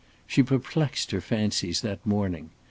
She perplexed her fancies that morning.